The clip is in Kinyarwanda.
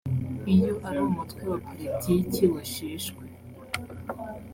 iyo ari umutwe wa politiki washeshwe